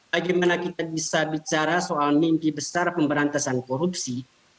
bagaimana kita bisa bicara soal mimpi besar pemberantasan korupsi